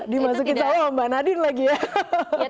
dimasukin sama mbak nadine lagi ya